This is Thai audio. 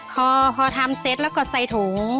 พอทำเสร็จแล้วก็ใส่ถุง